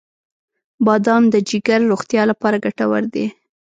• بادام د جګر روغتیا لپاره ګټور دی.